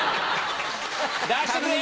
出してくれ！